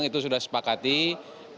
dan kita harus berhubungan dengan pemerintah